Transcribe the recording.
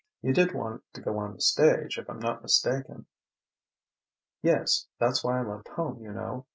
You did want to go on the stage, if I'm not mistaken." "Yes; that's why I left home, you know.